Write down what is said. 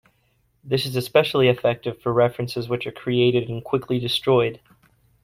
This is especially effective for references which are created and quickly destroyed.